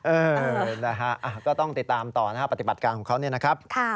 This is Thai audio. เออนะฮะก็ต้องติดตามต่อนะครับปฏิบัติการของเขาเนี่ยนะครับ